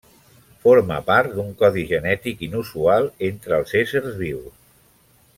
Forma part d'un codi genètic inusual entre els éssers vius.